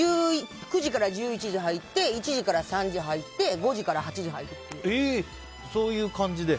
９時から１１時入って１時から３時入って５時から８時入るっていう。